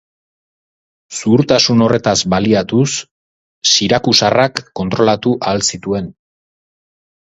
Zuhurtasun horretaz baliatuz, sirakusarrak kontrolatu ahal zituen.